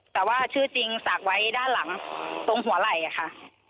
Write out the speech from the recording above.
แต่ว่าชื่อจริงศักดิ์ไว้ด้านหลังตรงหัวไหล่ค่ะ